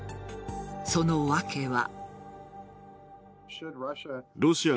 その訳は。